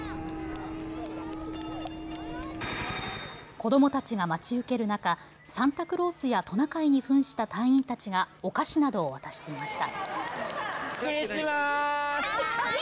子どもたちが待ち受ける中、サンタクロースやトナカイにふんした隊員たちがお菓子などを渡していました。